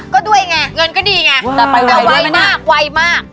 ก็ด้วยไงเงินก็ดีไงแต่ไวมากไวมาก